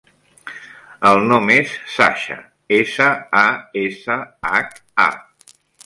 El nom és Sasha: essa, a, essa, hac, a.